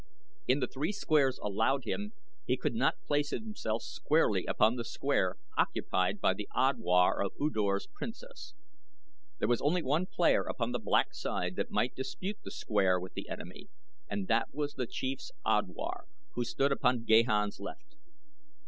In the three squares allowed him he could not place himself squarely upon the square occupied by the Odwar of U Dor's Princess. There was only one player upon the Black side that might dispute the square with the enemy and that was the Chief's Odwar, who stood upon Gahan's left.